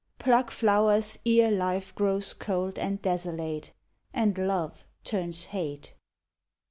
Pluck flowers ere life grows cold and desolate, And love turns hate.